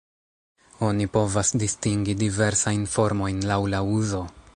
Oni povas distingi diversajn formojn laŭ la uzo.